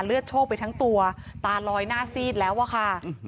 โชคไปทั้งตัวตาลอยหน้าซีดแล้วอะค่ะ